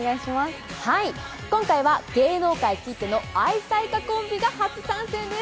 今回は芸能界きっての愛妻家コンビが初参戦です。